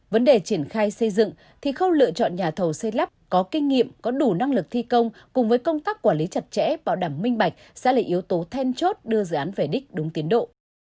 vấn đề triển khai xây dựng thì khâu lựa chọn nhà thầu xây lắp có kinh nghiệm có đủ năng lực thi công cùng với công tác quản lý chặt chẽ bảo đảm minh bạch sẽ là yếu tố then chốt đưa dự án về đích đúng tiến độ